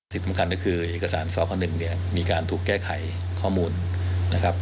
สำคัญก็คือเอกสารสค๑เนี่ยมีการถูกแก้ไขข้อมูลนะครับ